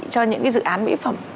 cho những cái dự án mỹ phẩm